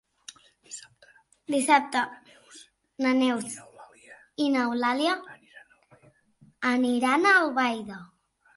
Dissabte na Neus i n'Eulàlia aniran a Albaida.